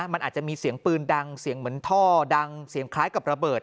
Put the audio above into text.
มันอาจจะมีเสียงปืนดังเสียงเหมือนท่อดังเสียงคล้ายกับระเบิด